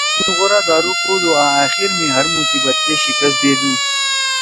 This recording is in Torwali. ہے تھیِن غورا دارُو کودُو آں أخیر می ہر مصیبت کے شکست دیدُو۔